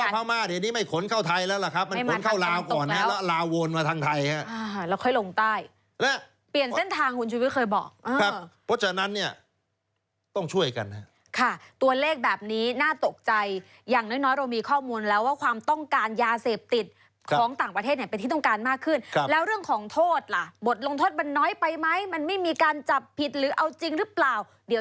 ใกล้จันทร์อ่าใกล้จันทร์อ่าใกล้จันทร์อ่าใกล้จันทร์อ่าใกล้จันทร์อ่าใกล้จันทร์อ่าใกล้จันทร์อ่าใกล้จันทร์อ่าใกล้จันทร์อ่าใกล้จันทร์อ่าใกล้จันทร์อ่าใกล้จันทร์อ่าใกล้